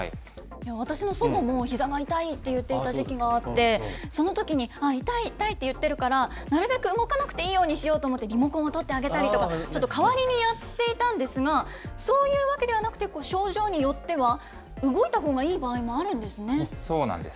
私の祖母もひざが痛いって言っていた時期があって、そのときに、あー、痛い痛いって言ってるから、なるべく動かなくていいようにしようと思って、リモコンを取ってあげたりとか、ちょっと代わりにやっていたんですが、そういうわけではなくて、症状によっては、動いたほうがいい場合もあるんでそうなんです。